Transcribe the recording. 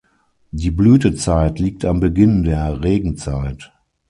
Die Blütezeit liegt am Beginn der Regenzeit.